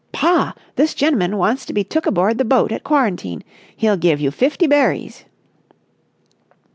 "Pa, this gen'man wants to be took aboard the boat at quarantine. He'll give you fifty berries."